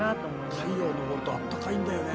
太陽が昇ると暖かいんだよね。